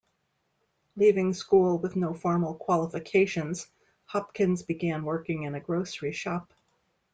Leaving school with no formal qualifications, Hopkins began working in a grocery shop.